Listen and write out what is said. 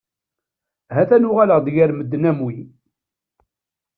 Ha-t-an uɣaleɣ-d gar medden am wi.